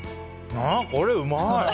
これ、うまい！